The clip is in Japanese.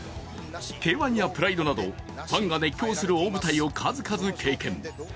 Ｋ−１やＰＲＩＤＥなど、ファンが熱狂する大舞台を数々経験。